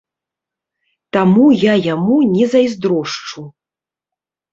Таму я яму не зайздрошчу.